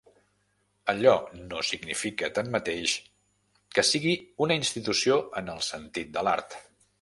Allò no significa, tanmateix, que sigui una institució en el sentit de l'art.